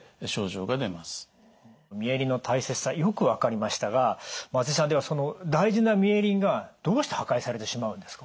ミエリンの大切さよく分かりましたが松井さんでは大事なミエリンがどうして破壊されてしまうんですか？